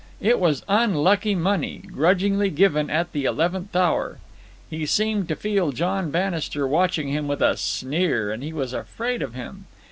It was unlucky money, grudgingly given at the eleventh hour. He seemed to feel John Bannister watching him with a sneer, and he was afraid of him.